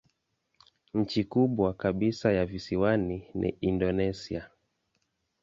Nchi kubwa kabisa ya visiwani ni Indonesia.